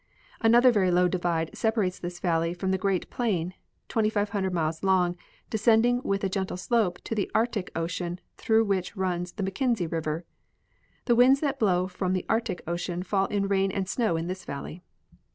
Another very Ioav divide sei^arates this valley from the great plain, 2,500 miles long, descending with a gentle slope to the Arctic ocean, through which runs the Mackenzie river. The winds that blow from the Arctic ocean fall in rain and snow in this valley.